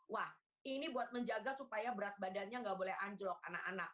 wah ini buat menjaga supaya berat badannya nggak boleh anjlok anak anak